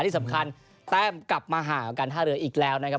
ที่สำคัญแต้มกลับมาห่างกับการท่าเรืออีกแล้วนะครับ